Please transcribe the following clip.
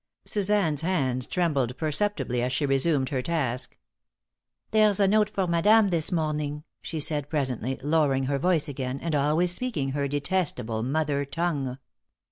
Suzanne's hands trembled perceptibly as she resumed her task. "There's a note for madame this morning," she said, presently, lowering her voice again, and always speaking her detestable mother tongue.